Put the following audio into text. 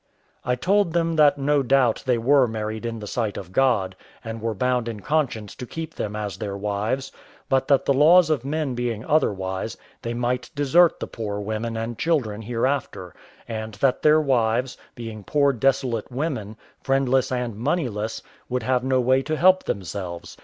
I told them that no doubt they were married in the sight of God, and were bound in conscience to keep them as their wives; but that the laws of men being otherwise, they might desert the poor women and children hereafter; and that their wives, being poor desolate women, friendless and moneyless, would have no way to help themselves.